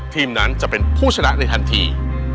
ทีมนั้นจะเป็นผู้ชนะในทันที